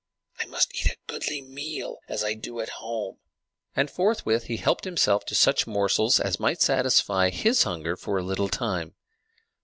I must eat a goodly meal as I do at home." And forthwith he helped himself to such morsels as might satisfy his hunger for a little time.